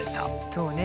そうね。